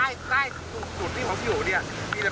มันกำลังเอากวางเต็มไปหมดแดวทางเพื่อที่นำหลี